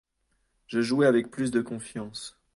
Je jouai avec plus de confiance.